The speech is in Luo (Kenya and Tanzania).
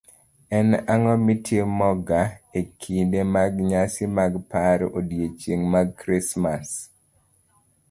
En ang'o mitimoga e kinde mag nyasi mag paro odiechienge mag Krismas?